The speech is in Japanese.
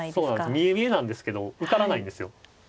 見え見えなんですけど受からないんですよ。